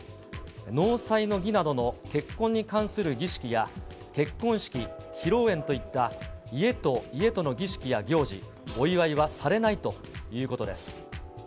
納采の儀などの結婚に関する儀式や、結婚式、披露宴といった家と家との儀式や行事、お祝いはされないということです。